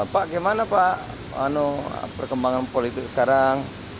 bagaimana pak perkembangan politik sekarang